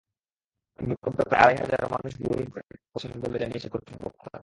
ভূমিকম্পে প্রায় আড়াই হাজার মানুষ গৃহহীন হয়ে পড়েছেন বলে জানিয়েছে কর্তৃপক্ষ।